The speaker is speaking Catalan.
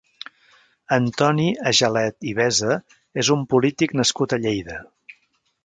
Antoni Agelet i Besa és un polític nascut a Lleida.